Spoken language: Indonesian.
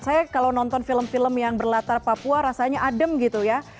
saya kalau nonton film film yang berlatar papua rasanya adem gitu ya